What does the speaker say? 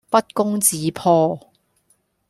不攻自破